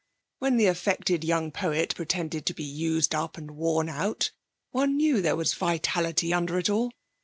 When the affected young poet pretended to be used up and worn out, one knew there was vitality under it all.